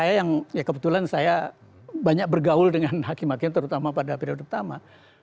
saya yang ya kebetulan saya banyak bergaul dengan hakim hakim terutama pada periode pertama